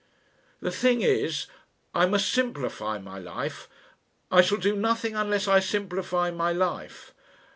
"The thing is, I must simplify my life. I shall do nothing unless I simplify my life.